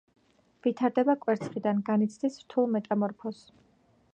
ვითარდება კვერცხიდან, განიცდის რთულ მეტამორფოზს.